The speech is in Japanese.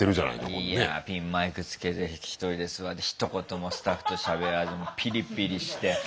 いいやピンマイクつけて１人で座ってひと言もスタッフとしゃべらずピリピリして。